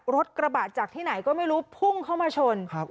รถกระบะจากที่ไหนก็ไม่รู้พุ่งเข้ามาชน